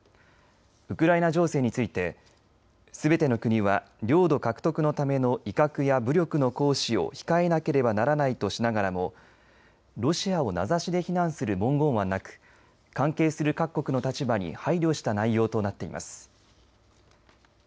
ウクライナ情勢についてすべての国は領土獲得のための威嚇や武力の行使を控えなければならないとしながらもロシアを名指しで非難する文言はなく関係する各国の立場に配慮した内容となっています。